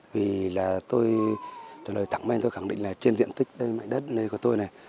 vì là tôi trả lời thẳng men tôi khẳng định là trên diện tích đất của tôi này